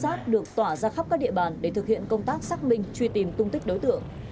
nhiều mũi trinh sát được tỏa ra khắp các địa bàn để thực hiện công tác xác minh truy tìm tung tích đối tượng